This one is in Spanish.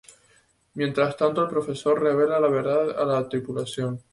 Mientras tanto, el profesor revela la verdad a la tripulación.